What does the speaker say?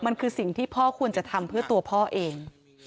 มันคือสิ่งที่พ่อควรจะทำเพื่อตัวพ่อเอง